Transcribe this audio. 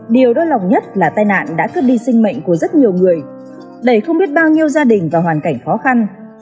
điều đối lòng nhất là tài nạn đã cướp đi sinh mệnh của rất nhiều người đẩy không biết bao nhiêu gia đình vào hoàn cảnh khó khăn